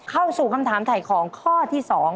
เข้าสู่คำถามถ่ายของข้อที่๒